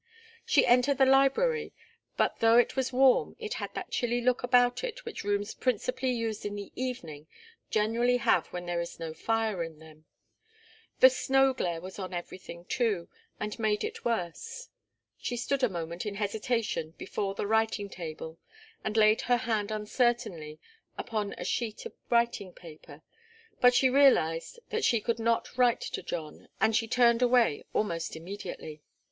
She entered the library, but though it was warm, it had that chilly look about it which rooms principally used in the evening generally have when there is no fire in them. The snow glare was on everything, too, and made it worse. She stood a moment in hesitation before the writing table, and laid her hand uncertainly upon a sheet of writing paper. But she realized that she could not write to John, and she turned away almost immediately.